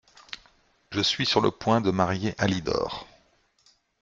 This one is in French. Je suis sur le point de marier Alidor…